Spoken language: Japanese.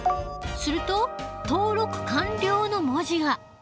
すると「登録完了」の文字が。